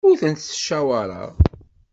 Ur tent-ttcawaṛeɣ.